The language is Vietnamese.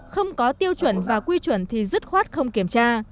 không có tiêu chuẩn và quy chuẩn thì dứt khoát không kiểm tra